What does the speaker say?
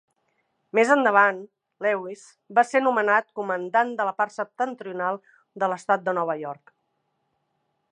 Més endavant, Lewis va ser nomenat comandant de la part septentrional de l'Estat de Nova York.